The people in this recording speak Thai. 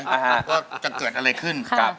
ว่าจะเกิดอะไรขึ้น